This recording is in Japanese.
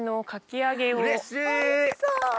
おいしそう！